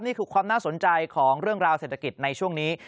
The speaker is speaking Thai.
นี่คือความน่าสนใจของเรื่องราวเศรษฐกิจในช่วงนี้